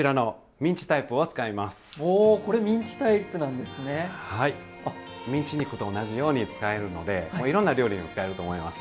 ミンチ肉と同じように使えるのでいろんな料理にも使えると思います。